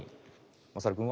まさるくんは？